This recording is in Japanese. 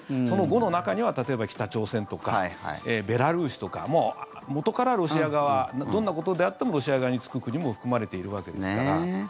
その５の中には例えば北朝鮮とかベラルーシとか元からロシア側どんなことであってもロシア側につく国も含まれているわけですから。